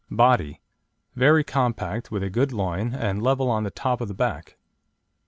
BODY Very compact, with a good loin, and level on the top of the back.